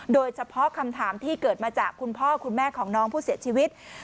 โดยเฉพาะคำถามที่เกิดมาจากคุณพ่อคุณแม่ของน้องผู้เสียชีวิต